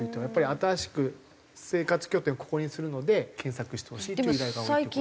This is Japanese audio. やっぱり新しく生活拠点をここにするので検索してほしいっていう依頼が。